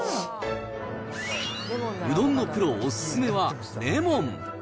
うどんのプロお勧めはレモン。